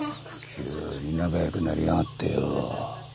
急に仲よくなりやがってよ。